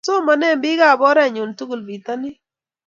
Somonik biikab orenyu tugul bitonin.